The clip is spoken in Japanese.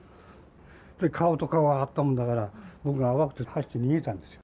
顔と顔が合ったもんだから、僕があわくって走って逃げたんですよ。